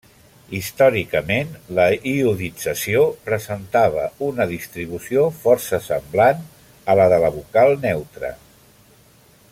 Històricament, la iodització presentava una distribució força semblant a la de la vocal neutra.